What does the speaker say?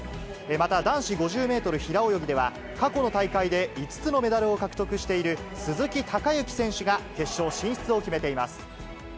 また、男子５０メートル平泳ぎでは、過去の大会で５つのメダルを獲得している、鈴木孝幸選手が決勝進出を決めています。